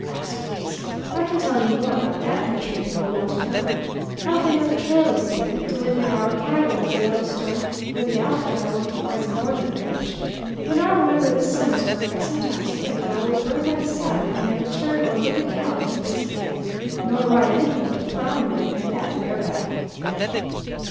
asked Ace. "I can tell you more about that country than you want to know. I've been up the trail this year; delivered our cattle on the Yellowstone, where the outfit I worked for has a northern range. When I remember this summer's work, I sometimes think that I will burn my saddle and never turn or look a cow in the face again, nor ride anything but a plow mule and that bareback.